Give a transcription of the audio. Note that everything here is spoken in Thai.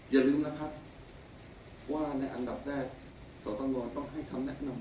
อย่าลืมนะครับว่าในอันดับแรกสตงต้องให้คำแนะนำ